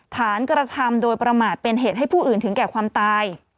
กระทำโดยประมาทเป็นเหตุให้ผู้อื่นถึงแก่ความตาย